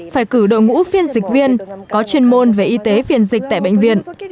phải cử đội ngũ phiên dịch viên có chuyên môn về y tế phiền dịch tại bệnh viện